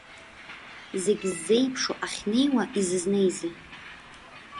Зегь ззеиԥшу ахьнеиуа изызнеизеи.